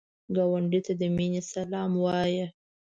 ګاونډي ته د مینې سلام وایه